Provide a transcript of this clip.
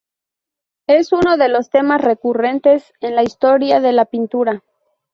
Es uno de los temas recurrentes en la historia de la pintura.